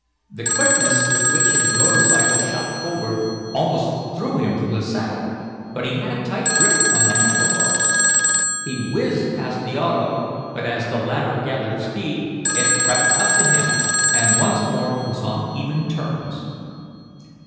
The quickness with which his motor cycle shot forward almost threw him from the saddle, but he had a tight grip on the handle bars. He whizzed past the auto, but, as the latter gathered speed, it crept up to him, and, once more was on even terms.